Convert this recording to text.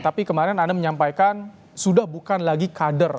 tapi kemarin anda menyampaikan sudah bukan lagi kader